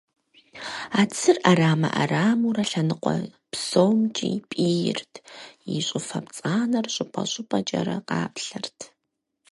И цыр Ӏэрамэ Ӏэрамэурэ лъэныкъуэ псомкӀи пӀийрт, и щӀыфэ пцӀанэр щӀыпӀэ щӀыпӀэкӀэрэ къаплъэрт.